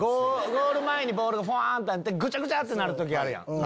ゴール前にボールがあってぐちゃぐちゃってなる時あるやん。